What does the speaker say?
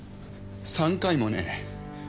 ３回もね。